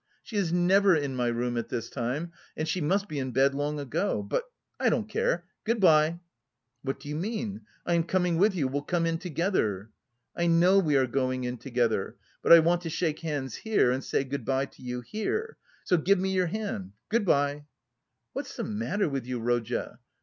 "She is never in my room at this time and she must be in bed long ago, but... I don't care! Good bye!" "What do you mean? I am coming with you, we'll come in together!" "I know we are going in together, but I want to shake hands here and say good bye to you here. So give me your hand, good bye!" "What's the matter with you, Rodya?"